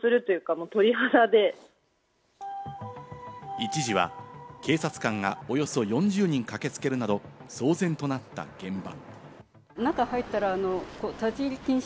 一時は警察官がおよそ４０人駆けつけるなど、騒然となった現場。